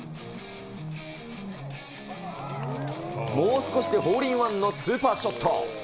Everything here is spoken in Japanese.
もう少しでホールインワンのスーパーショット。